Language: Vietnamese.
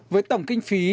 với tổng kinh phí